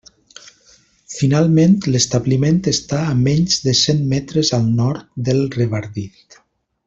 Finalment, l'establiment està a menys de cent metres al nord del Revardit.